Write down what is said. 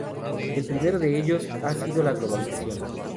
El primero de ellos ha sido la globalización.